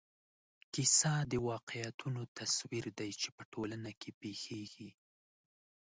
کیسه د واقعیتونو تصویر دی چې په ټولنه کې پېښېږي.